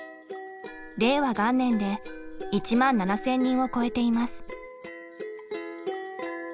令和元年で１万７，０００人を超えています。